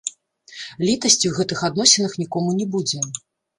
Літасці ў гэтых адносінах нікому не будзе.